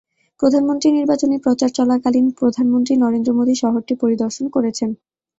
প্রধানমন্ত্রী নির্বাচনী প্রচার চলাকালীন প্রধানমন্ত্রী নরেন্দ্র মোদী শহরটি পরিদর্শন করেছেন।